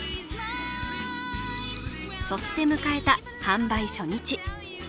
そして迎えた販売初日。